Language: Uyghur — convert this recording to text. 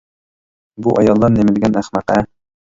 بۇ ئاياللار نېمە دېگەن ئەخمەق ھە!